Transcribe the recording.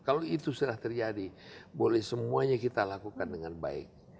kalau itu sudah terjadi boleh semuanya kita lakukan dengan baik